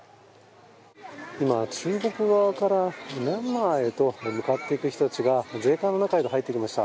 今、中国側からミャンマーへと向かっていく人たちが税関の中へと入っていきました。